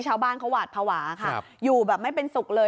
ชาวบ้านเขาหวาดภาวะค่ะอยู่แบบไม่เป็นสุขเลย